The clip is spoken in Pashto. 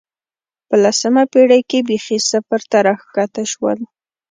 په لسمه پېړۍ کې بېخي صفر ته راښکته شول